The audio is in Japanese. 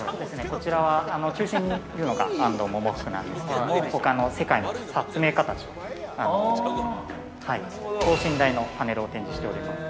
◆こちらは、中心にいるのが安藤百福なんですけどもほかの世界の発明家たちと等身大のパネルを展示しております。